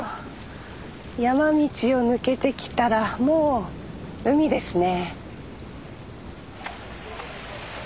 山道を抜けてきたらもう海ですね。